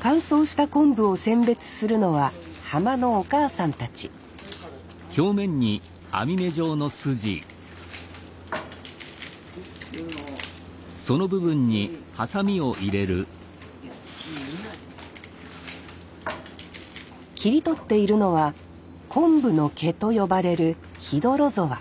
乾燥した昆布を選別するのは浜のおかあさんたち切り取っているのは「昆布の毛」と呼ばれるヒドロゾア。